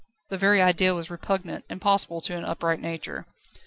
The very idea was repugnant, impossible to an upright nature.